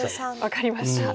分かりました。